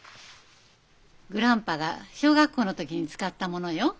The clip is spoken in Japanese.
グランパが小学校の時に使ったものよ。